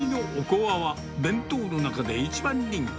アサリのおこわは、弁当の中で一番人気。